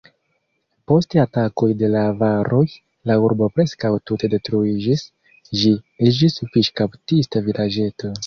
Post atakoj de la avaroj, la urbo preskaŭ tute detruiĝis, ĝi iĝis fiŝkaptista vilaĝeto.